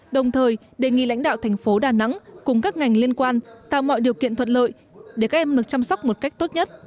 đồng thời đề nghị lãnh đạo thành phố đà nẵng cùng các ngành liên quan tạo mọi điều kiện thuận lợi để các em được chăm sóc một cách tốt nhất